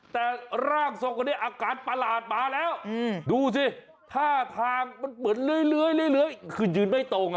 แต่ร่างทรงคนนี้อาการประหลาดมาแล้วดูสิท่าทางมันเหมือนเลื้อยคือยืนไม่ตรง